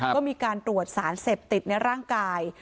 ก็มีการตรวจสารเสพติดในร่างกาย